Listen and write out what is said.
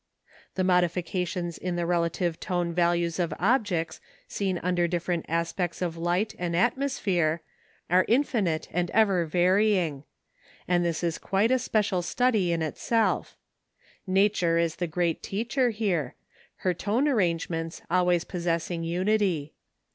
The modifications in the relative tone values of objects seen under different aspects of light and atmosphere are infinite and ever varying; and this is quite a special study in itself. Nature is the great teacher here, her tone arrangements always possessing unity.